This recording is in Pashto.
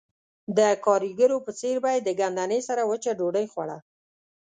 د ګاریګرو په څېر به یې د ګندنې سره وچه ډوډۍ خوړه